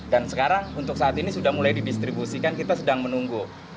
dan sekarang untuk saat ini sudah mulai didistribusikan kita sedang menunggu